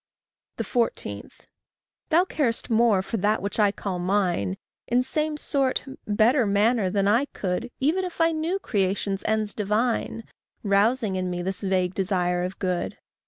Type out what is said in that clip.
14. Thou carest more for that which I call mine, In same sort better manner than I could, Even if I knew creation's ends divine, Rousing in me this vague desire of good.